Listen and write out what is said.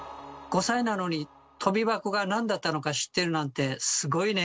５歳なのにとび箱がなんだったのか知ってるなんてすごいね！